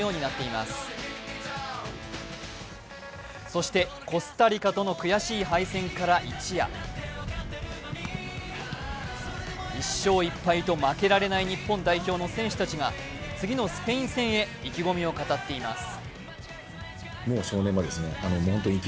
そしてコスタリカとの悔しい敗戦から一夜、１勝１敗と負けられない日本代表の選手たちが次のスペイン戦へ意気込みを語っています。